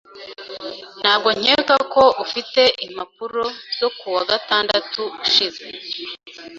Ntabwo nkeka ko ufite impapuro zo kuwa gatandatu ushize?